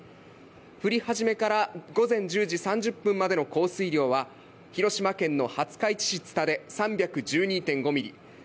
降り始めから午前１０時３０分までの降水量は広島県の廿日市市津田で３１２．５ミリ。